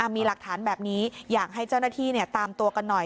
มีหลักฐานแบบนี้อยากให้เจ้าหน้าที่ตามตัวกันหน่อย